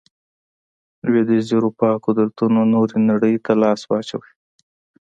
لوېدیځې اروپا قدرتونو نورې نړۍ ته لاس واچوي.